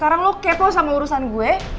ada sesuatu bang